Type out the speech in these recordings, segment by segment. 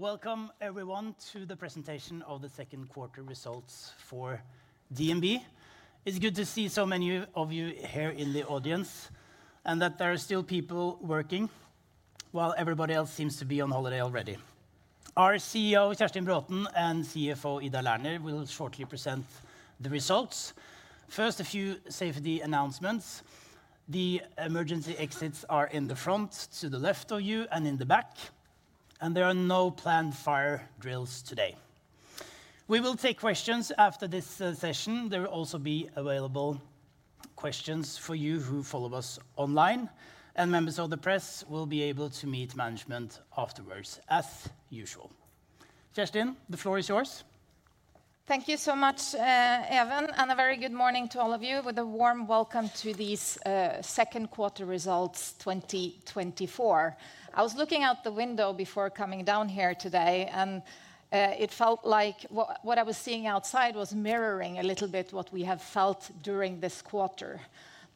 Welcome everyone to the presentation of the second quarter results for DNB. It's good to see so many of you here in the audience, and that there are still people working, while everybody else seems to be on holiday already. Our CEO, Kjerstin Braathen, and CFO, Ida Lerner, will shortly present the results. First, a few safety announcements. The emergency exits are in the front, to the left of you, and in the back, and there are no planned fire drills today. We will take questions after this session. There will also be available questions for you who follow us online, and members of the press will be able to meet management afterwards, as usual. Kjerstin, the floor is yours. Thank you so much, Even, and a very good morning to all of you, with a warm welcome to these second quarter results 2024. I was looking out the window before coming down here today, and it felt like what I was seeing outside was mirroring a little bit what we have felt during this quarter.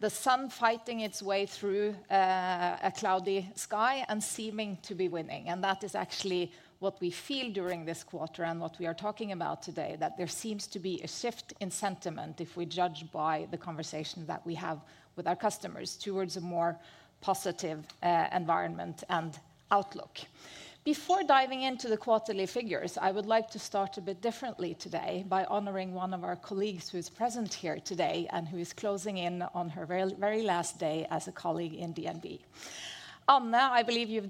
The sun fighting its way through a cloudy sky and seeming to be winning, and that is actually what we feel during this quarter and what we are talking about today, that there seems to be a shift in sentiment, if we judge by the conversation that we have with our customers, towards a more positive environment and outlook. Before diving into the quarterly figures, I would like to start a bit differently today by honoring one of our colleagues who is present here today, and who is closing in on her very, very last day as a colleague in DNB. Anna, I believe you've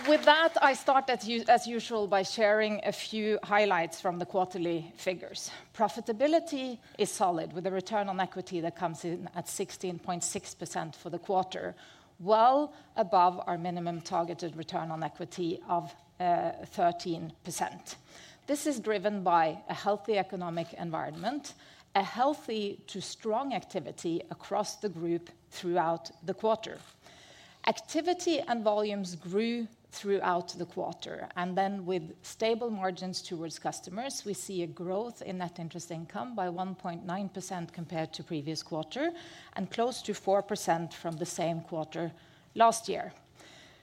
done more than 140 quarterly reportings together, and I think the quality that you represent and the team in DNB is worth mentioning and noting, because we're nothing without our people and our team, and I would invite you to join me in giving Anna a warm applause. With that, I start as usual by sharing a few highlights from the quarterly figures. Profitability is solid, with a return on equity that comes in at 16.6% for the quarter, well above our minimum targeted return on equity of 13%. This is driven by a healthy economic environment, a healthy to strong activity across the group throughout the quarter. Activity and volumes grew throughout the quarter, and then with stable margins towards customers, we see a growth in net interest income by 1.9% compared to previous quarter, and close to 4% from the same quarter last year.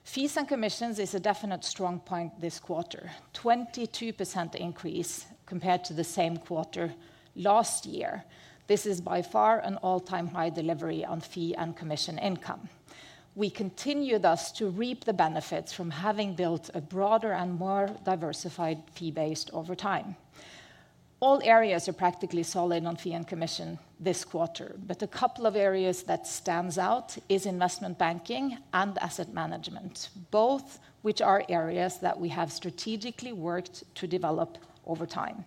Fees and commissions is a definite strong point this quarter. 22% increase compared to the same quarter last year. This is by far an all-time high delivery on fee and commission income. We continue, thus, to reap the benefits from having built a broader and more diversified fee base over time. All areas are practically solid on fee and commission this quarter, but a couple of areas that stands out is investment banking and asset management, both which are areas that we have strategically worked to develop over time.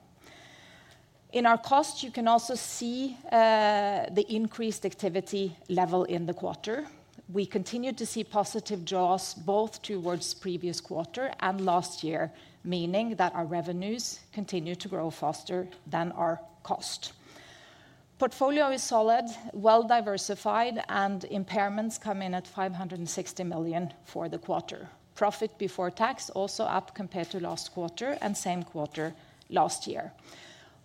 In our costs, you can also see, the increased activity level in the quarter. We continue to see positive draws, both towards previous quarter and last year, meaning that our revenues continue to grow faster than our cost. Portfolio is solid, well-diversified, and impairments come in at 560 million for the quarter. Profit before tax, also up compared to last quarter and same quarter last year.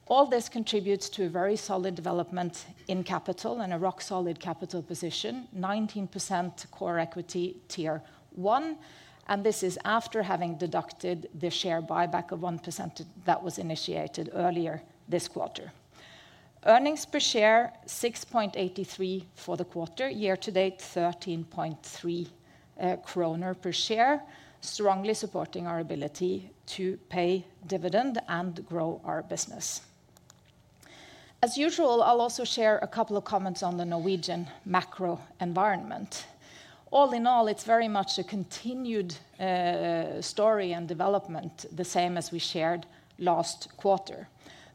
All this contributes to a very solid development in capital and a rock-solid capital position, 19% Core Equity Tier 1, and this is after having deducted the share buyback of 1% that was initiated earlier this quarter. Earnings per share, 6.83 for the quarter, year to date, 13.3 kroner per share, strongly supporting our ability to pay dividend and grow our business. As usual, I'll also share a couple of comments on the Norwegian macro environment. All in all, it's very much a continued story and development, the same as we shared last quarter.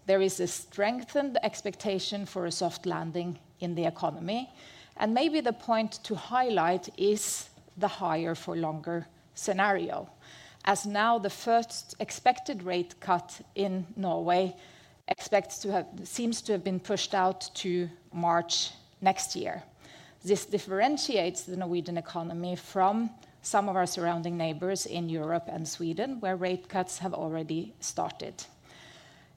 There is a strengthened expectation for a soft landing in the economy, and maybe the point to highlight is the higher for longer scenario. As now, the first expected rate cut in Norway seems to have been pushed out to March next year. This differentiates the Norwegian economy from some of our surrounding neighbors in Europe and Sweden, where rate cuts have already started.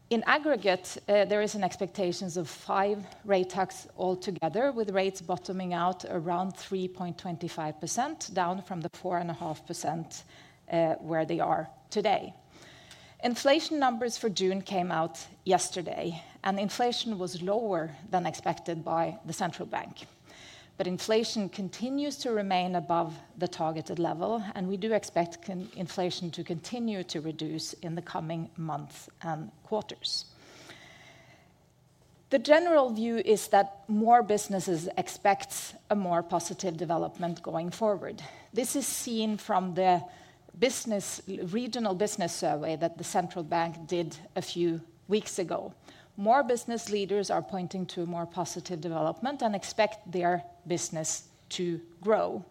In aggregate, there is an expectations of five rate hikes altogether, with rates bottoming out around 3.25%, down from the 4.5% where they are today. Inflation numbers for June came out yesterday, and inflation was lower than expected by the central bank. But inflation continues to remain above the targeted level, and we do expect inflation to continue to reduce in the coming months and quarters. The general view is that more businesses expect a more positive development going forward. This is seen from the business, regional business survey that the central bank did a few weeks ago. More business leaders are pointing to a more positive development and expect their business to grow.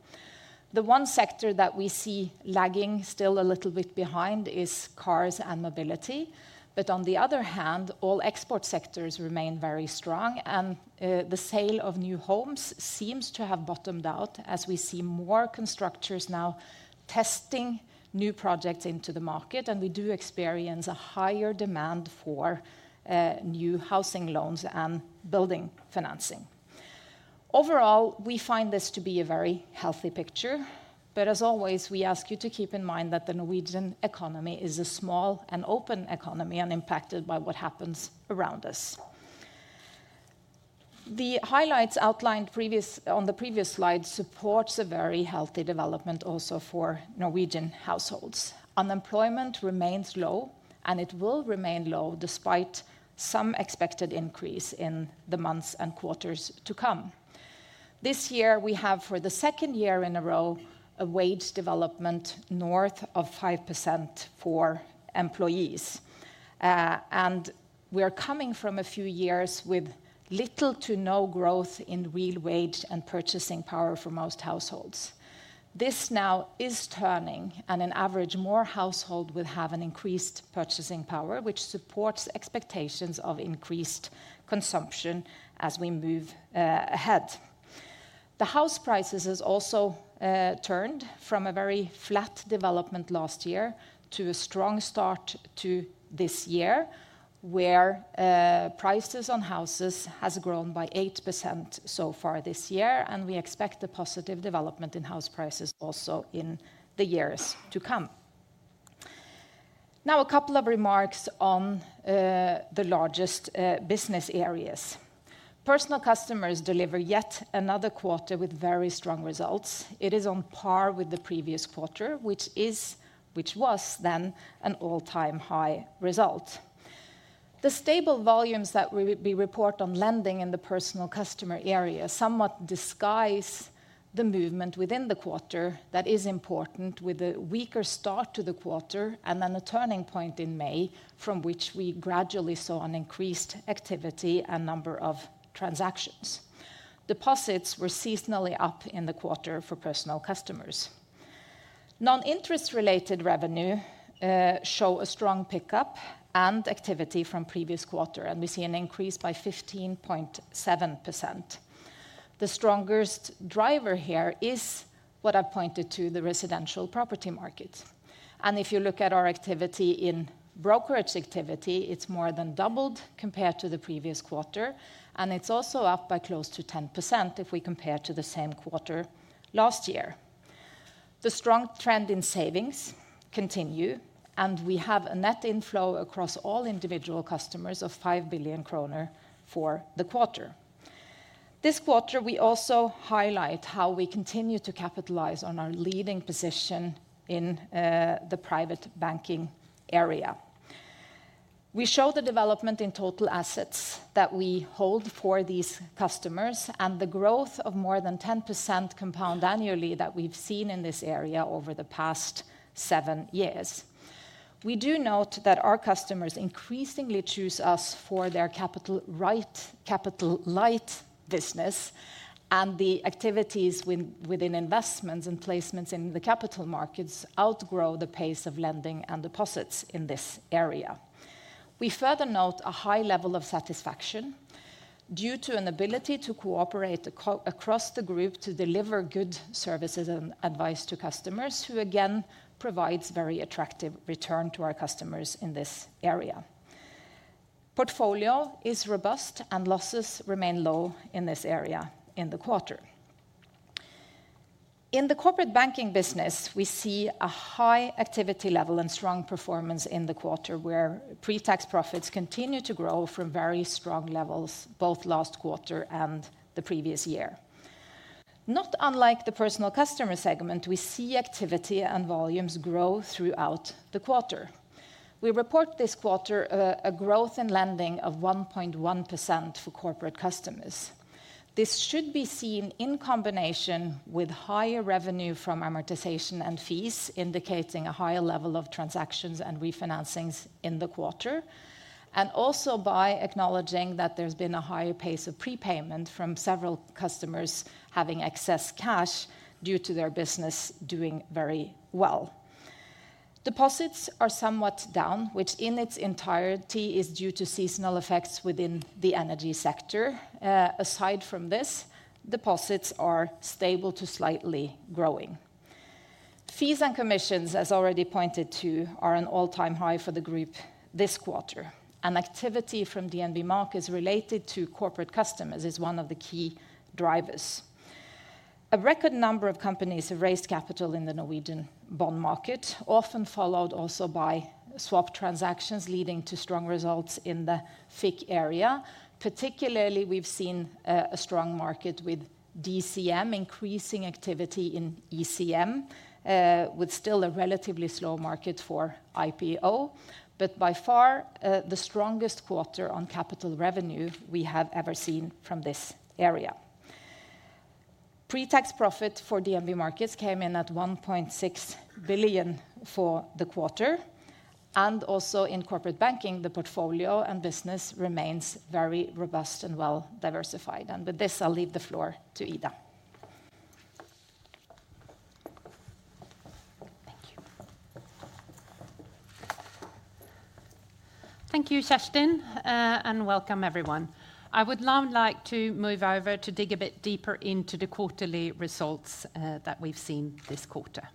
The one sector that we see lagging still a little bit behind is cars and mobility. But on the other hand, all export sectors remain very strong, and, the sale of new homes seems to have bottomed out as we see more constructors now testing new projects into the market, and we do experience a higher demand for, new housing loans and building financing. Overall, we find this to be a very healthy picture, but as always, we ask you to keep in mind that the Norwegian economy is a small and open economy and impacted by what happens around us. The highlights outlined previous, on the previous slide supports a very healthy development also for Norwegian households. Unemployment remains low, and it will remain low despite some expected increase in the months and quarters to come. This year, we have, for the second year in a row, a wage development north of 5% for employees. And we are coming from a few years with little to no growth in real wage and purchasing power for most households. This now is turning, and on average, more household will have an increased purchasing power, which supports expectations of increased consumption as we move ahead. The house prices has also turned from a very flat development last year to a strong start to this year, where prices on houses has grown by 8% so far this year, and we expect a positive development in house prices also in the years to come. Now, a couple of remarks on the largest business areas. Personal customers deliver yet another quarter with very strong results. It is on par with the previous quarter, which was then an all-time high result. The stable volumes that we report on lending in the personal customer area somewhat disguise the movement within the quarter that is important, with a weaker start to the quarter and then a turning point in May, from which we gradually saw an increased activity and number of transactions. Deposits were seasonally up in the quarter for personal customers. Non-interest-related revenue show a strong pickup and activity from previous quarter, and we see an increase by 15.7%. The strongest driver here is what I pointed to, the residential property market. And if you look at our activity in brokerage activity, it's more than doubled compared to the previous quarter, and it's also up by close to 10% if we compare to the same quarter last year. The strong trend in savings continue, and we have a net inflow across all individual customers of 5 billion kroner for the quarter. This quarter, we also highlight how we continue to capitalize on our leading position in the private banking area. We show the development in total assets that we hold for these customers and the growth of more than 10% compound annually that we've seen in this area over the past seven years. We do note that our customers increasingly choose us for their capital right, capital light business, and the activities within investments and placements in the capital markets outgrow the pace of lending and deposits in this area. We further note a high level of satisfaction due to an ability to cooperate across the group to deliver good services and advice to customers, who, again, provides very attractive return to our customers in this area. Portfolio is robust, and losses remain low in this area in the quarter. In the corporate banking business, we see a high activity level and strong performance in the quarter, where pre-tax profits continue to grow from very strong levels, both last quarter and the previous year. Not unlike the personal customer segment, we see activity and volumes grow throughout the quarter. We report this quarter a growth in lending of 1.1% for corporate customers. This should be seen in combination with higher revenue from amortization and fees, indicating a higher level of transactions and refinancings in the quarter, and also by acknowledging that there's been a higher pace of prepayment from several customers having excess cash due to their business doing very well. Deposits are somewhat down, which in its entirety is due to seasonal effects within the energy sector. Aside from this, deposits are stable to slightly growing. Fees and commissions, as already pointed to, are an all-time high for the group this quarter. Activity from DNB Markets related to corporate customers is one of the key drivers. A record number of companies have raised capital in the Norwegian bond market, often followed also by swap transactions, leading to strong results in the FICC area. Particularly, we've seen a strong market with DCM increasing activity in ECM, with still a relatively slow market for IPO, but by far the strongest quarter on capital revenue we have ever seen from this area. Pre-tax profit for DNB Markets came in at 1.6 billion for the quarter, and also in corporate banking, the portfolio and business remains very robust and well diversified. With this, I'll leave the floor to Ida. Thank you. Thank you, Kjerstin, and welcome everyone. I would now like to move over to dig a bit deeper into the quarterly results that we've seen this quarter.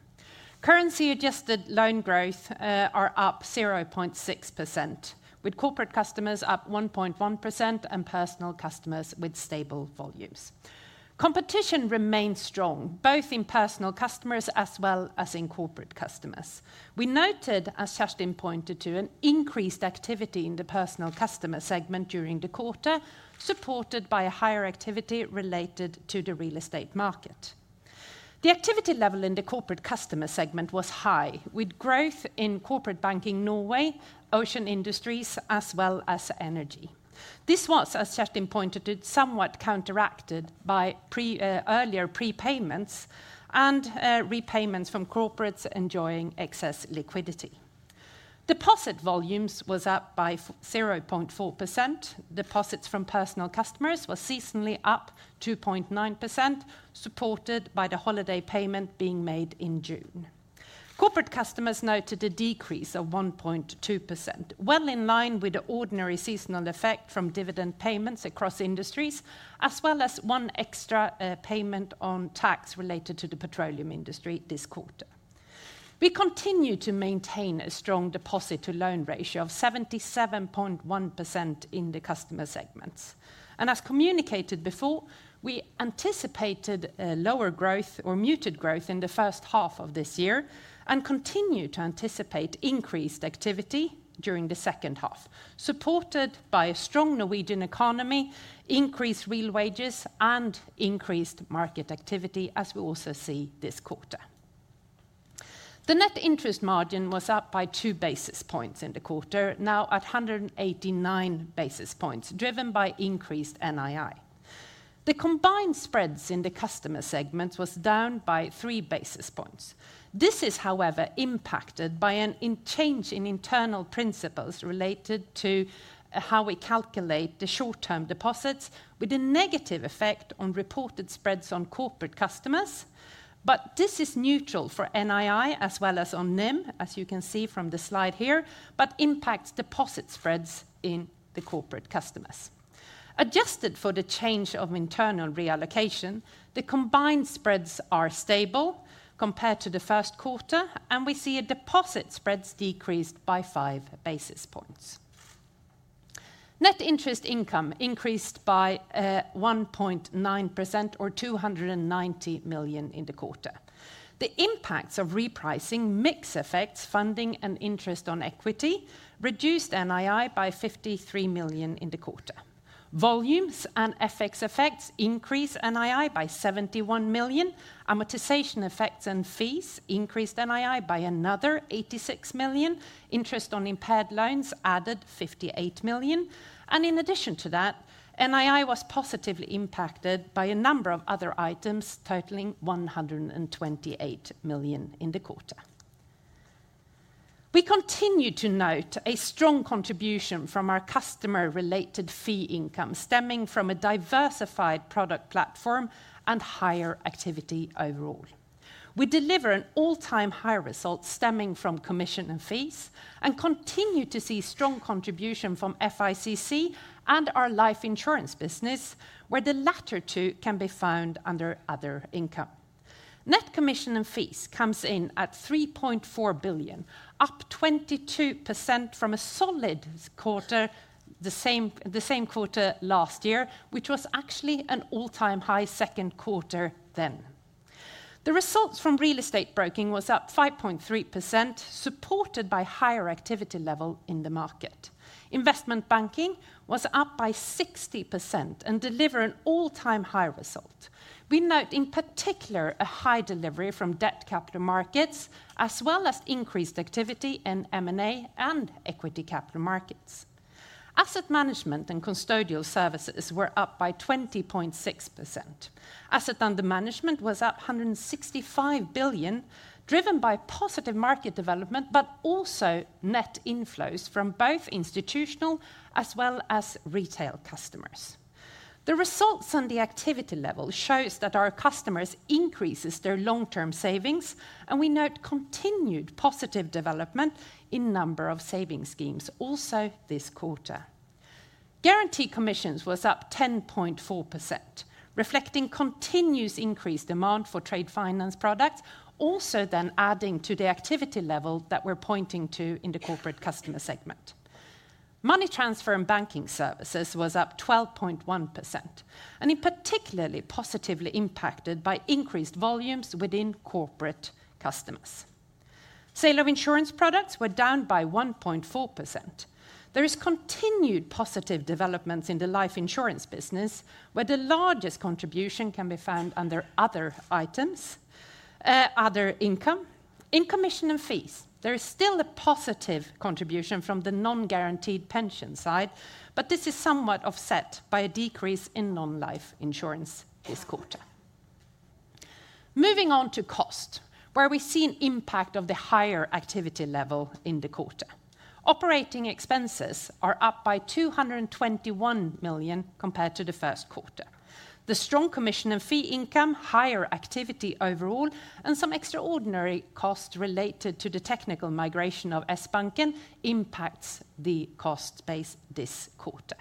Currency-adjusted loan growth are up 0.6%, with corporate customers up 1.1% and personal customers with stable volumes. Competition remains strong, both in personal customers as well as in corporate customers. We noted, as Kjerstin pointed to, an increased activity in the personal customer segment during the quarter, supported by a higher activity related to the real estate market. The activity level in the corporate customer segment was high, with growth in corporate banking Norway, ocean industries, as well as energy. This was, as Kjerstin pointed to, somewhat counteracted by earlier prepayments and repayments from corporates enjoying excess liquidity. Deposit volumes was up by 0.4%. Deposits from personal customers were seasonally up 2.9%, supported by the holiday payment being made in June. Corporate customers noted a decrease of 1.2%, well in line with the ordinary seasonal effect from dividend payments across industries, as well as one extra payment on tax related to the petroleum industry this quarter. We continue to maintain a strong deposit-to-loan ratio of 77.1% in the customer segments. And as communicated before, we anticipated a lower growth or muted growth in the first half of this year and continue to anticipate increased activity during the second half, supported by a strong Norwegian economy, increased real wages, and increased market activity, as we also see this quarter. The net interest margin was up by 2 basis points in the quarter, now at 189 basis points, driven by increased NII. The combined spreads in the customer segments was down by 3 basis points. This is, however, impacted by a change in internal principles related to how we calculate the short-term deposits, with a negative effect on reported spreads on corporate customers, but this is neutral for NII as well as on NIM, as you can see from the slide here, but impacts deposit spreads in the corporate customers. Adjusted for the change of internal reallocation, the combined spreads are stable compared to the first quarter, and we see a deposit spreads decreased by 5 basis points. Net interest income increased by 1.9% or 290 million in the quarter. The impacts of repricing, mix effects, funding, and interest on equity reduced NII by 53 million in the quarter. Volumes and FX effects increase NII by 71 million. Amortization effects and fees increased NII by another 86 million. Interest on impaired loans added 58 million. In addition to that, NII was positively impacted by a number of other items, totaling 128 million in the quarter. We continue to note a strong contribution from our customer-related fee income, stemming from a diversified product platform and higher activity overall. We deliver an all-time high result stemming from commission and fees, and continue to see strong contribution from FICC and our life insurance business, where the latter two can be found under other income. Net commission and fees comes in at 3.4 billion, up 22% from a solid quarter, the same, the same quarter last year, which was actually an all-time high second quarter then. The results from real estate broking was up 5.3%, supported by higher activity level in the market. Investment banking was up by 60% and deliver an all-time high result. We note, in particular, a high delivery from debt capital markets, as well as increased activity in M&A and equity capital markets. Asset management and custodial services were up by 20.6%. Asset under management was up 165 billion, driven by positive market development, but also net inflows from both institutional as well as retail customers. The results on the activity level shows that our customers increases their long-term savings, and we note continued positive development in number of saving schemes also this quarter. Guarantee commissions was up 10.4%, reflecting continuous increased demand for trade finance products, also then adding to the activity level that we're pointing to in the corporate customer segment. Money transfer and banking services was up 12.1%, and in particularly positively impacted by increased volumes within corporate customers. Sale of insurance products were down by 1.4%. There is continued positive developments in the life insurance business, where the largest contribution can be found under other items, other income. In commission and fees, there is still a positive contribution from the non-guaranteed pension side, but this is somewhat offset by a decrease in non-life insurance this quarter. Moving on to cost, where we see an impact of the higher activity level in the quarter. Operating expenses are up by 221 million compared to the first quarter. The strong commission and fee income, higher activity overall, and some extraordinary cost related to the technical migration of Sbanken impacts the cost base this quarter.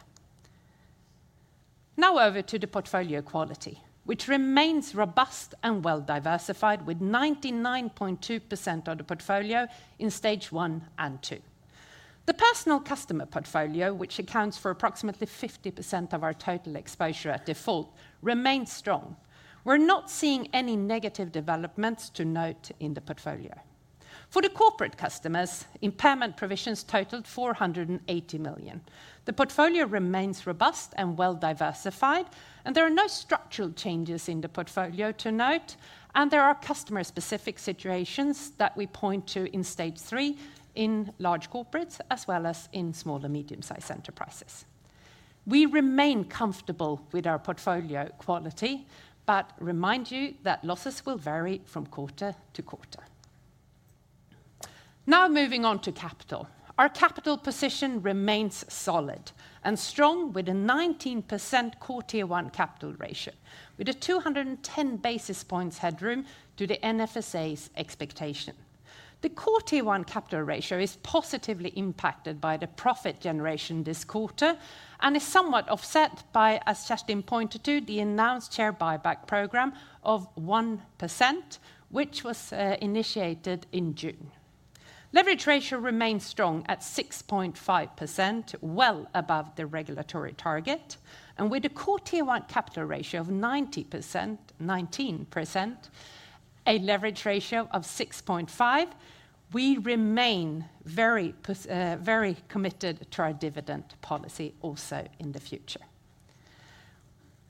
Now over to the portfolio quality, which remains robust and well diversified, with 99.2% of the portfolio in stage one and two. The personal customer portfolio, which accounts for approximately 50% of our total exposure at default, remains strong. We're not seeing any negative developments to note in the portfolio. For the corporate customers, impairment provisions totaled 480 million. The portfolio remains robust and well diversified, and there are no structural changes in the portfolio to note, and there are customer-specific situations that we point to in stage three, in large corporates, as well as in small and medium-sized enterprises. We remain comfortable with our portfolio quality, but remind you that losses will vary from quarter to quarter. Now, moving on to capital. Our capital position remains solid and strong, with a 19% Core Tier 1 capital ratio, with 210 basis points headroom to the NFSA's expectation. The Core Tier 1 capital ratio is positively impacted by the profit generation this quarter, and is somewhat offset by, as Kerstin pointed to, the announced share buyback program of 1%, which was initiated in June. Leverage ratio remains strong at 6.5%, well above the regulatory target, and with a Core Tier 1 capital ratio of 90%, 19%, a leverage ratio of 6.5%, we remain very committed to our dividend policy also in the future.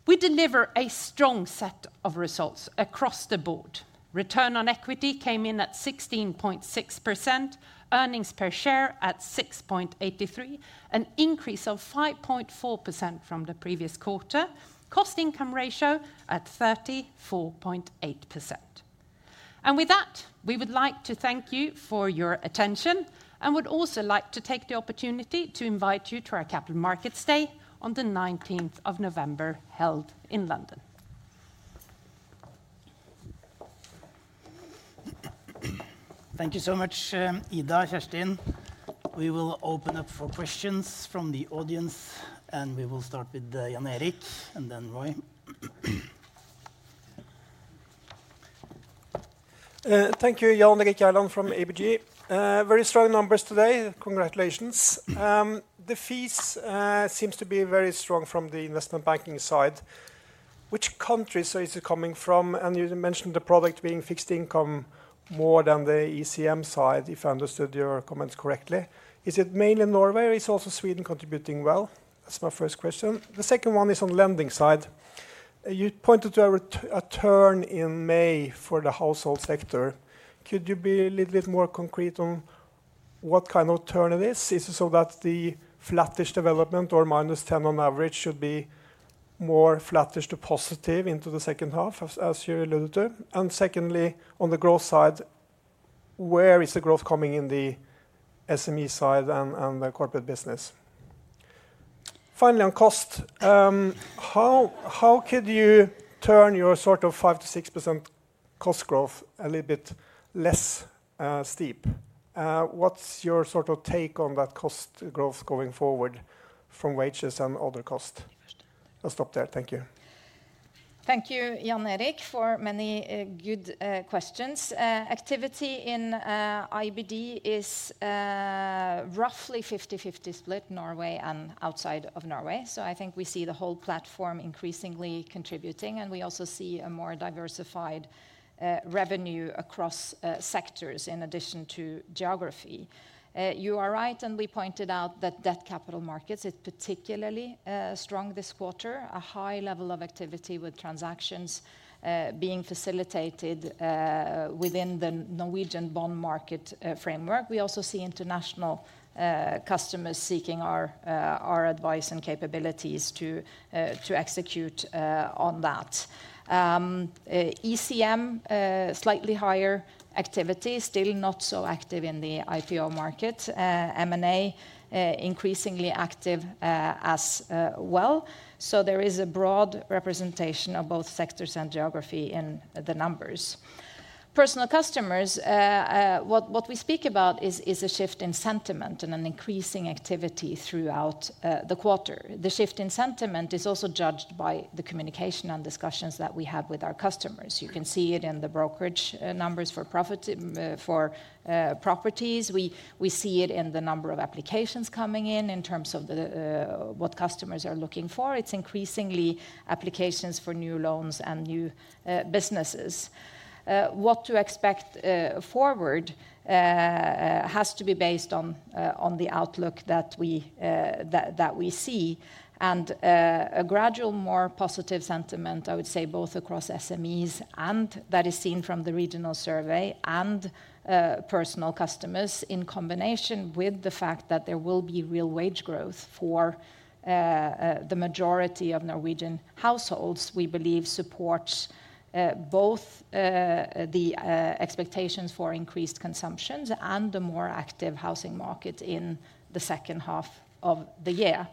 We deliver a strong set of results across the board. Return on equity came in at 16.6%, earnings per share at 6.83, an increase of 5.4% from the previous quarter, cost income ratio at 34.8%. And with that, we would like to thank you for your attention, and would also like to take the opportunity to invite you to our Capital Markets Day on the nineteenth of November, held in London. Thank you so much, Ida, Kjerstin. We will open up for questions from the audience, and we will start with Jan Erik, and then Roy. Thank you, Jan Erik Gjerland from ABG. Very strong numbers today. Congratulations. The fees seems to be very strong from the investment banking side. Which countries is it coming from? And you mentioned the product being fixed income more than the ECM side, if I understood your comments correctly. Is it mainly Norway, or is also Sweden contributing well? That's my first question. The second one is on lending side. You pointed to a turn in May for the household sector. Could you be a little bit more concrete on what kind of turn it is? Is it so that the flattish development or minus 10 on average should be more flattish to positive into the second half, as you alluded to? And secondly, on the growth side, where is the growth coming in the SME side and the corporate business? Finally, on cost, how could you turn your sort of 5%-6% cost growth a little bit less steep? What's your sort of take on that cost growth going forward from wages and other costs? I'll stop there. Thank you. Thank you, Jan Erik, for many good questions. Activity in IBD is roughly 50/50 split, Norway and outside of Norway. So I think we see the whole platform increasingly contributing, and we also see a more diversified revenue across sectors in addition to geography. You are right, and we pointed out that Debt Capital Markets is particularly strong this quarter. A high level of activity with transactions being facilitated within the Norwegian bond market framework. We also see international customers seeking our advice and capabilities to execute on that. ECM slightly higher activity, still not so active in the IPO market. M&A increasingly active, as well. So there is a broad representation of both sectors and geography in the numbers. Personal customers, what we speak about is a shift in sentiment and an increasing activity throughout the quarter. The shift in sentiment is also judged by the communication and discussions that we have with our customers. You can see it in the brokerage numbers for profit for properties. We see it in the number of applications coming in, in terms of what customers are looking for. It's increasingly applications for new loans and new businesses. What to expect forward has to be based on the outlook that we see. A gradual, more positive sentiment, I would say, both across SMEs, and that is seen from the regional survey and personal customers, in combination with the fact that there will be real wage growth for the majority of Norwegian households, we believe supports both the expectations for increased consumptions and the more active housing market in the second half of the year.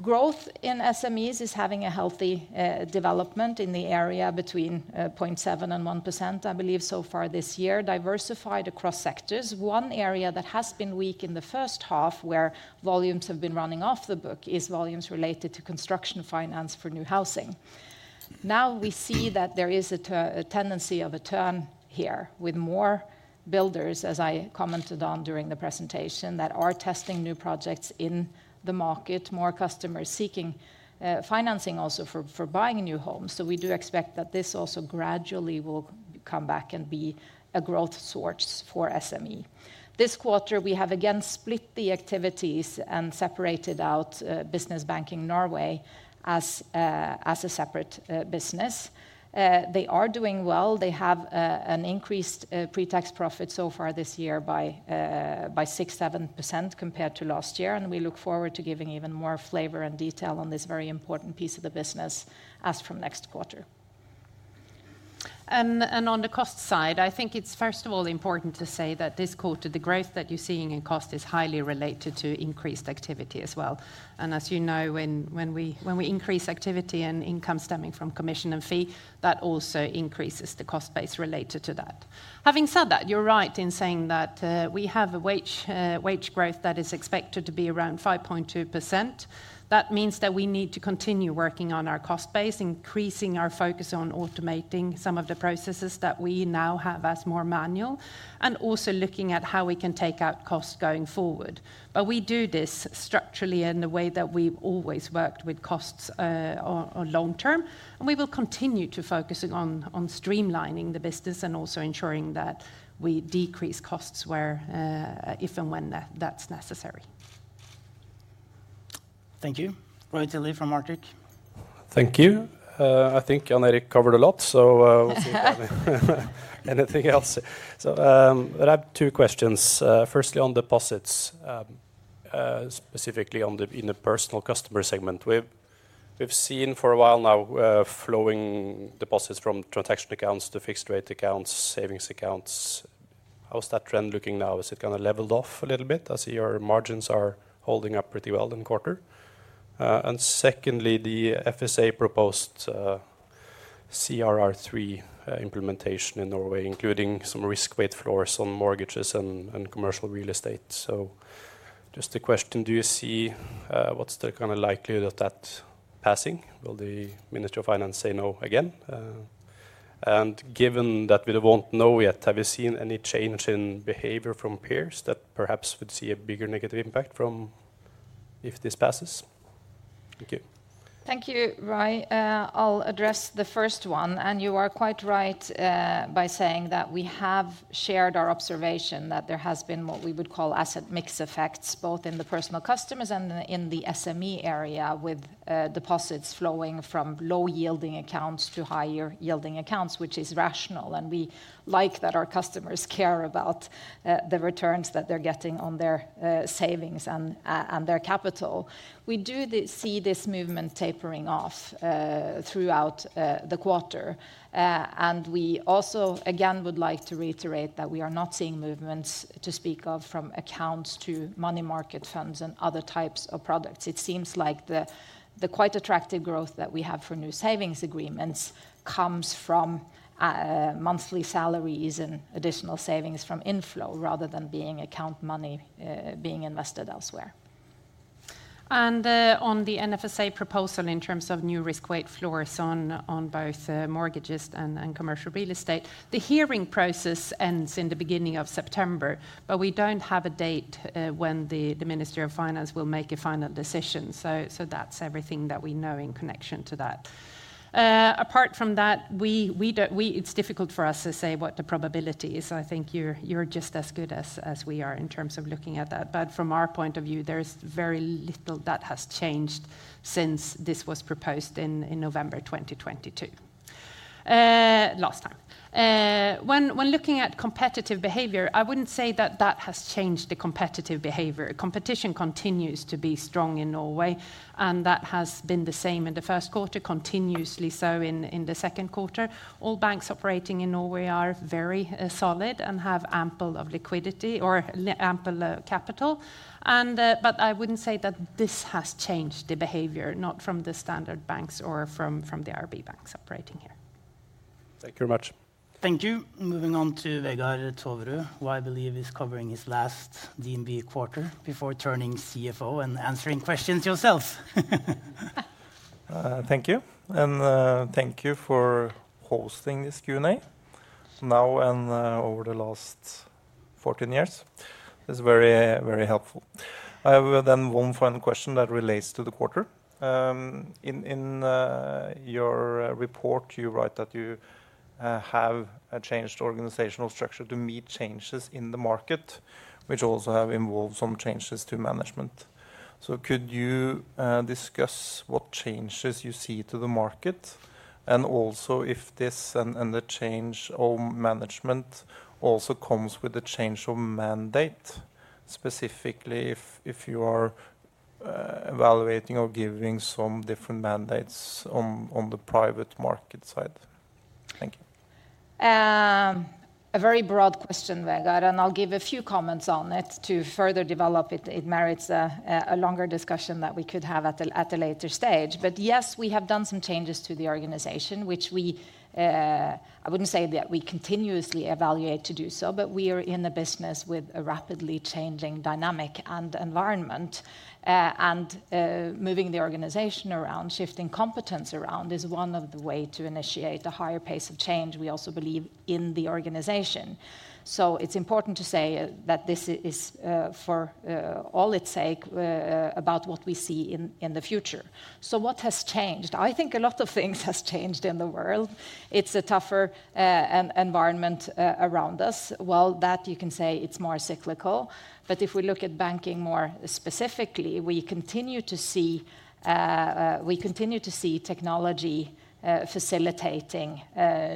Growth in SMEs is having a healthy development in the area between 0.7% and 1%, I believe, so far this year, diversified across sectors. One area that has been weak in the first half, where volumes have been running off the book, is volumes related to construction finance for new housing. Now we see that there is a tendency of a turn here, with more builders, as I commented on during the presentation, that are testing new projects in the market, more customers seeking financing also for buying new homes. So we do expect that this also gradually will come back and be a growth source for SME. This quarter, we have again split the activities and separated out business banking Norway as a separate business. They are doing well. They have an increased pre-tax profit so far this year by 6%-7% compared to last year, and we look forward to giving even more flavor and detail on this very important piece of the business as from next quarter. And on the cost side, I think it's first of all important to say that this quarter, the growth that you're seeing in cost is highly related to increased activity as well. And as you know, when we increase activity and income stemming from commission and fee, that also increases the cost base related to that. Having said that, you're right in saying that, we have a wage growth that is expected to be around 5.2%. That means that we need to continue working on our cost base, increasing our focus on automating some of the processes that we now have as more manual, and also looking at how we can take out costs going forward. But we do this structurally in the way that we've always worked with costs on long term, and we will continue to focus on streamlining the business and also ensuring that we decrease costs where, if and when that's necessary. Thank you. Roy Tilley from Arctic. Thank you. I think Jan Erik covered a lot, so, Anything else? So, but I have two questions. Firstly, on deposits, specifically in the personal customer segment. We've seen for a while now, flowing deposits from transaction accounts to fixed-rate accounts, savings accounts. How's that trend looking now? Is it kind of leveled off a little bit, as your margins are holding up pretty well in quarter? And secondly, the FSA proposed CRR3 implementation in Norway, including some risk weight floors on mortgages and commercial real estate. So just a question, do you see. What's the kind of likelihood of that passing? Will the Minister of Finance say no again? Given that we won't know yet, have you seen any change in behavior from peers that perhaps would see a bigger negative impact from if this passes? Thank you. Thank you, Roy. I'll address the first one, and you are quite right by saying that we have shared our observation that there has been what we would call asset mix effects, both in the personal customers and in the SME area, with deposits flowing from low-yielding accounts to higher-yielding accounts, which is rational, and we like that our customers care about the returns that they're getting on their savings and their capital. We see this movement tapering off throughout the quarter. And we also, again, would like to reiterate that we are not seeing movements to speak of from accounts to money market funds and other types of products. It seems like the quite attractive growth that we have for new savings agreements comes from monthly salaries and additional savings from inflow, rather than being account money being invested elsewhere. And on the NFSA proposal in terms of new risk-weight floors on both mortgages and commercial real estate, the hearing process ends in the beginning of September, but we don't have a date when the Ministry of Finance will make a final decision. So that's everything that we know in connection to that. Apart from that, we don't. It's difficult for us to say what the probability is. I think you're just as good as we are in terms of looking at that. But from our point of view, there's very little that has changed since this was proposed in November 2022 last time. When looking at competitive behavior, I wouldn't say that that has changed the competitive behavior. Competition continues to be strong in Norway, and that has been the same in the first quarter, continuously so in the second quarter. All banks operating in Norway are very solid and have ample of liquidity or ample capital, and but I wouldn't say that this has changed the behavior, not from the standard banks or from the RB banks operating here. Thank you very much. Thank you. Moving on to Vegard Toverud, who I believe is covering his last DNB quarter before turning CFO and answering questions yourself. Thank you, and thank you for hosting this Q&A. So now and over the last 14 years, it's very, very helpful. I have then one final question that relates to the quarter. In your report, you write that you have a changed organizational structure to meet changes in the market, which also have involved some changes to management. So could you discuss what changes you see to the market, and also if this and the change of management also comes with a change of mandate, specifically if you are evaluating or giving some different mandates on the private market side? Thank you. A very broad question, Vegard, and I'll give a few comments on it to further develop it. It merits a longer discussion that we could have at a later stage. But yes, we have done some changes to the organization, which we. I wouldn't say that we continuously evaluate to do so, but we are in the business with a rapidly changing dynamic and environment. And moving the organization around, shifting competence around, is one of the way to initiate a higher pace of change, we also believe, in the organization. So it's important to say that this is, for all its sake, about what we see in the future. So what has changed? I think a lot of things has changed in the world. It's a tougher environment around us. Well, that you can say it's more cyclical. But if we look at banking more specifically, we continue to see technology facilitating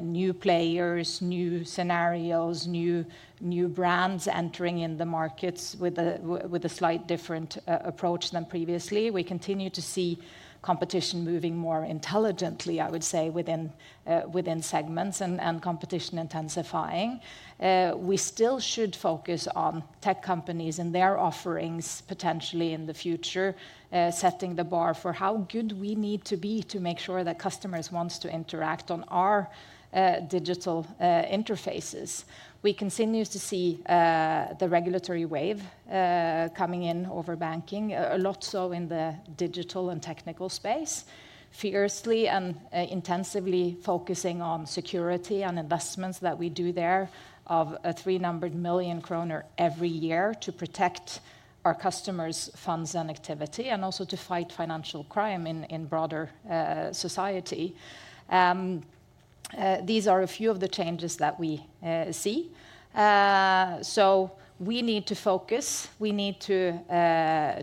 new players, new scenarios, new brands entering in the markets with a slight different approach than previously. We continue to see competition moving more intelligently, I would say, within within segments and competition intensifying. We still should focus on tech companies and their offerings potentially in the future setting the bar for how good we need to be to make sure that customers wants to interact on our digital interfaces. We continue to see the regulatory wave coming in over banking, a lot so in the digital and technical space. Fiercely and, intensively focusing on security and investments that we do there of 300 million kroner every year to protect our customers' funds and activity, and also to fight financial crime in, in broader, society. These are a few of the changes that we see. So we need to focus, we need to,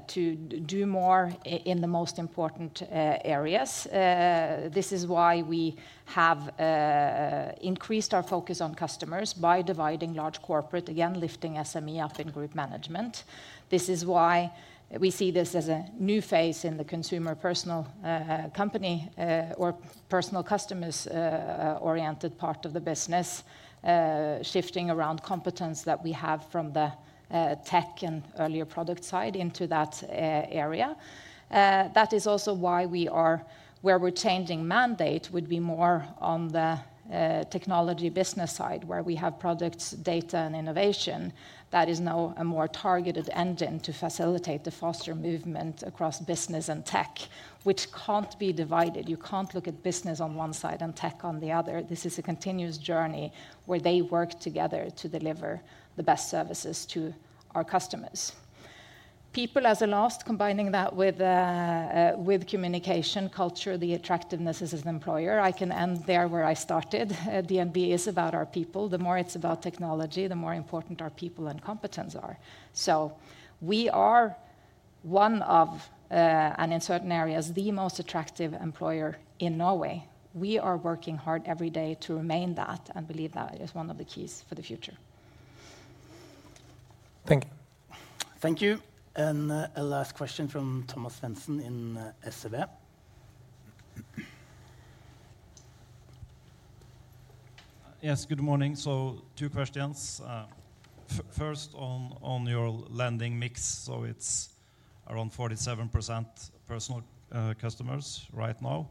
to do more in the most important, areas. This is why we have, increased our focus on customers by dividing large corporate, again, lifting SME up in group management. This is why we see this as a new phase in the consumer personal, company, or personal customers, oriented part of the business, shifting around competence that we have from the, tech and earlier product side into that, area. That is also why we are where we're changing mandate would be more on the, technology business side, where we have products, data, and innovation that is now a more targeted engine to facilitate the foster movement across business and tech, which can't be divided. You can't look at business on one side and tech on the other. This is a continuous journey where they work together to deliver the best services to our customers. People, as a last, combining that with, with communication, culture, the attractiveness as an employer, I can end there where I started. DNB is about our people. The more it's about technology, the more important our people and competence are. So we are one of, and in certain areas, the most attractive employer in Norway. We are working hard every day to remain that, and believe that is one of the keys for the future. Thank you. Thank you. And a last question from Thomas Svendsen in SEB. Yes, good morning. So two questions. First on your lending mix, so it's around 47% personal customers right now.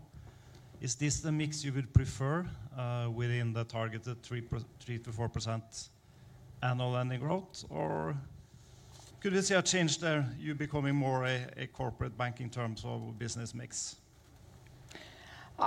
Is this the mix you would prefer within the targeted 3%-4% annual lending growth? Or could we see a change there, you becoming more a corporate bank in terms of business mix?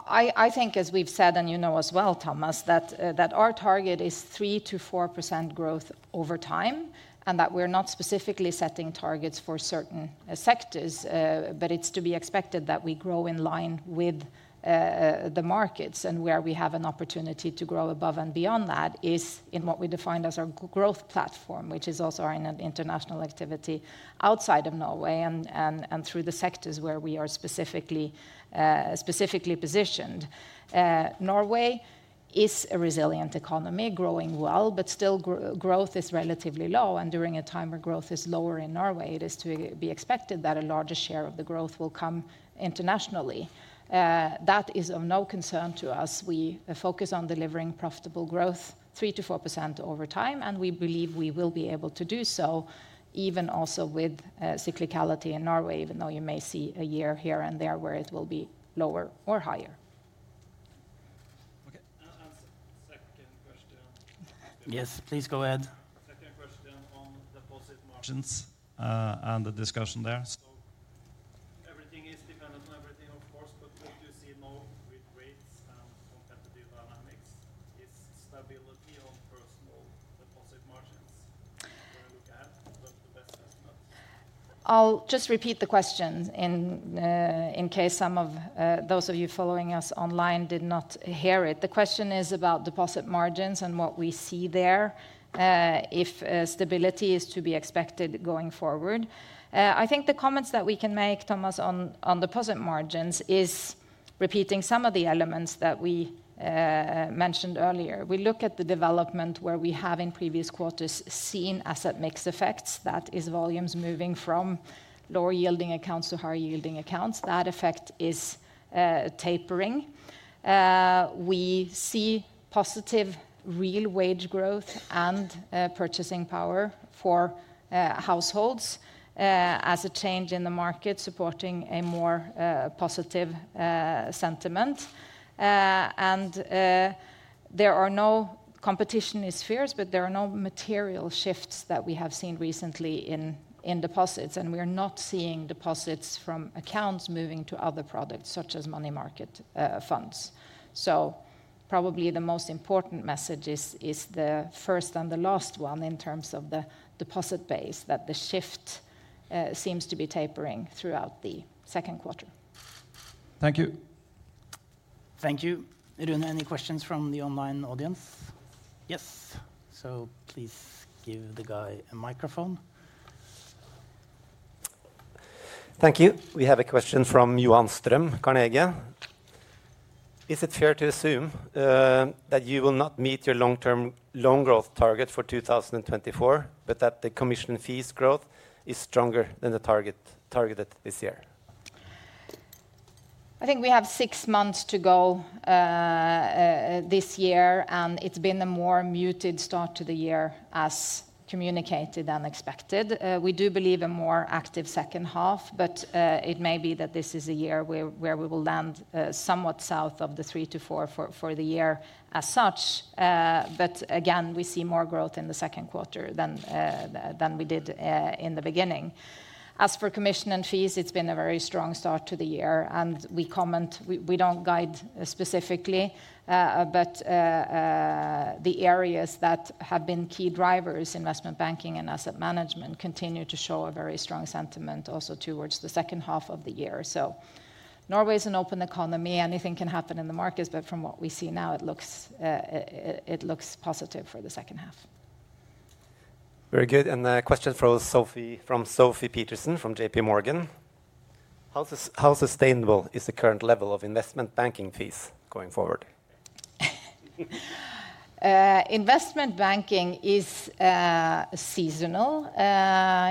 I think as we've said, and you know as well, Thomas, that our target is 3%-4% growth over time, and that we're not specifically setting targets for certain sectors. But it's to be expected that we grow in line with the markets, and where we have an opportunity to grow above and beyond that is in what we defined as our growth platform, which is also in an international activity outside of Norway and through the sectors where we are specifically positioned. Norway is a resilient economy, growing well, but still growth is relatively low, and during a time where growth is lower in Norway, it is to be expected that a larger share of the growth will come internationally. That is of no concern to us. We focus on delivering profitable growth 3%-4% over time, and we believe we will be able to do so, even also with cyclicality in Norway, even though you may see a year here and there where it will be lower or higher. Okay. And, second question. Yes, please go ahead. Second question on deposit margins, and the discussion there. So everything is dependent on everything, of course, but what do you see now with rates and competitive dynamics? Is stability on personal deposit margins where we are at the best estimate? I'll just repeat the question in, in case some of, those of you following us online did not hear it. The question is about deposit margins and what we see there, if stability is to be expected going forward. I think the comments that we can make, Thomas, on, on deposit margins is repeating some of the elements that we, mentioned earlier. We look at the development where we have in previous quarters seen asset mix effects, that is, volumes moving from lower-yielding accounts to higher-yielding accounts. That effect is, tapering. We see positive real wage growth and, purchasing power for, households, as a change in the market supporting a more, positive, sentiment. And the competition is fierce, but there are no material shifts that we have seen recently in deposits, and we are not seeing deposits from accounts moving to other products, such as money market funds. So probably the most important message is the first and the last one in terms of the deposit base, that the shift seems to be tapering throughout the second quarter. Thank you. Thank you, Rune. Any questions from the online audience? Yes. So please give the guy a microphone. Thank you. We have a question from Johan Strøm, Carnegie. Is it fair to assume that you will not meet your long-term loan growth target for 2024, but that the commission fees growth is stronger than the target this year? I think we have six months to go this year, and it's been a more muted start to the year, as communicated, than expected. We do believe a more active second half, but it may be that this is a year where we will land somewhat south of the 3-4 for the year as such. But again, we see more growth in the second quarter than we did in the beginning. As for commission and fees, it's been a very strong start to the year, and we don't guide specifically, but the areas that have been key drivers, investment banking and asset management, continue to show a very strong sentiment also towards the second half of the year. So Norway is an open economy. Anything can happen in the markets, but from what we see now, it looks positive for the second half. Very good. And a question from Sofie, from Sofie Peterzens from JPMorgan. How sustainable is the current level of investment banking fees going forward? Investment banking is seasonal.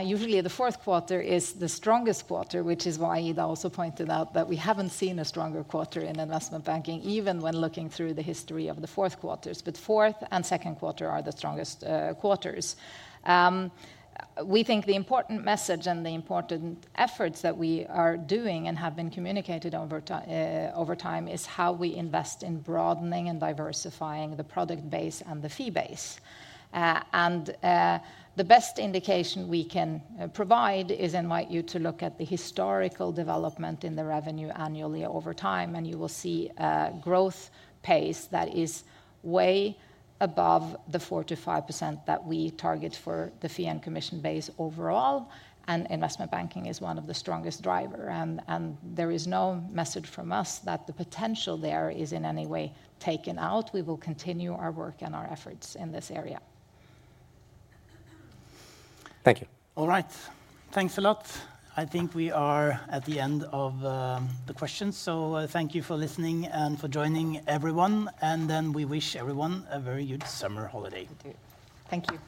Usually, the fourth quarter is the strongest quarter, which is why Ida also pointed out that we haven't seen a stronger quarter in investment banking, even when looking through the history of the fourth quarters. But fourth and second quarter are the strongest quarters. We think the important message and the important efforts that we are doing and have been communicated over time is how we invest in broadening and diversifying the product base and the fee base. The best indication we can provide is invite you to look at the historical development in the revenue annually over time, and you will see a growth pace that is way above the 4%-5% that we target for the fee and commission base overall, and investment banking is one of the strongest driver. There is no message from us that the potential there is in any way taken out. We will continue our work and our efforts in this area. Thank you. All right. Thanks a lot. I think we are at the end of the questions, so thank you for listening and for joining, everyone, and then we wish everyone a very good summer holiday. Thank you.